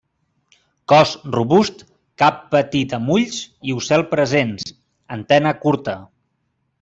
Cos robust, cap petit amb ulls i ocel presents, antena curta.